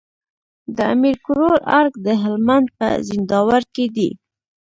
د امير کروړ ارګ د هلمند په زينداور کي دی